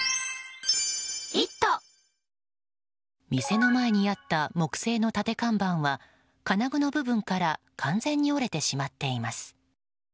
店の前にあった木製の立て看板は金具の部分から完全に折れてしまっています。